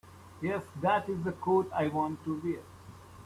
Yes, that IS the coat I want to wear.